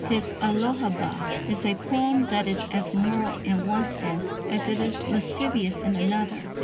His Aholibah is a poem that is as moral in one sense as it is lascivious in another.